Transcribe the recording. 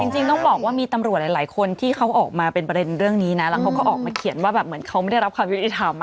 จริงต้องบอกว่ามีตำรวจหลายคนที่เขาออกมาเป็นประเด็นเรื่องนี้นะแล้วเขาก็ออกมาเขียนว่าแบบเหมือนเขาไม่ได้รับความยุติธรรม